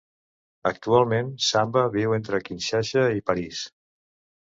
Actualment, Samba viu entre Kinshasa i París.